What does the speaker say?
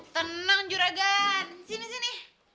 tenang juragan sini sini